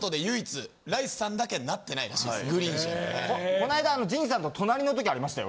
こないだ仁さんと隣の時ありましたよ